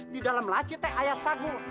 di dalam laci teh ayat sagu